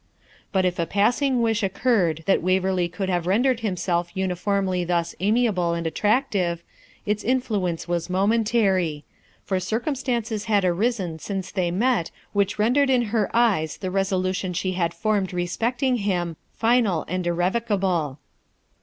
But if a passing wish occurred that Waverley could have rendered himself uniformly thus amiable and attractive, its influence was momentary; for circumstances had arisen since they met which rendered in her eyes the resolution she had formed respecting him final and irrevocable.